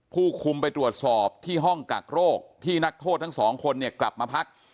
ผู้คุมไปตรวจสอบที่ห้องกักโรคที่นักโทษทั้งสองคนเนี่ยกลับมาพัก